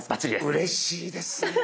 うれしいですね。